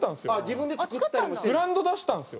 ブランド出したんですよ。